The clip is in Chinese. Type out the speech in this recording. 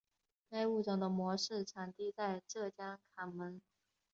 该物种的模式产地在浙江坎门。